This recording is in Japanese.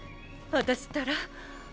私ったら。